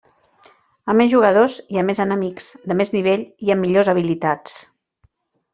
A més jugadors, hi ha més enemics, de més nivell i amb millors habilitats.